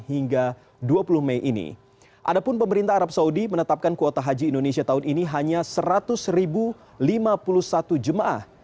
haji yang berangkat menetapkan kuota haji tahun ini hanya seratus lima puluh satu jemaah